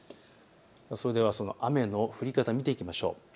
それではその雨の降り方を見ていきましょう。